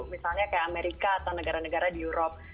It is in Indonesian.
misalnya kayak amerika atau negara negara di europe